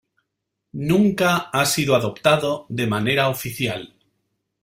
Nunca ha sido adoptado de manera oficial.